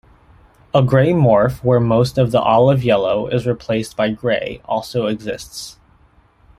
A grey morph where most of the olive-yellow is replaced by grey also exists.